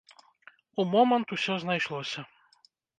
У момант усё знайшлося!